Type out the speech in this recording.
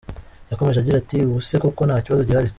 Yakomeje agira ati “Ubu se koko nta kibazo gihari.